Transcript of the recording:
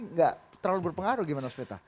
nggak terlalu berpengaruh gimana mas meta